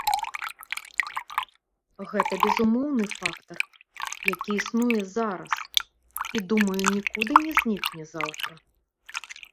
Гэта безумоўны фактар, які існуе зараз, і, думаю, нікуды не знікне заўтра.